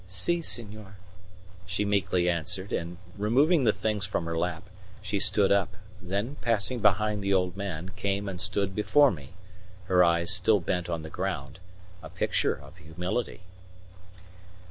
"Si, senor." she meekly answered; and removing the things from her lap, she stood up; then, passing behind the old man, came and stood before me, her eyes still bent on the ground a picture of humility.